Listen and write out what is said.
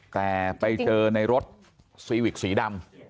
แต่ไปเจอในรถซีวิกสีดำ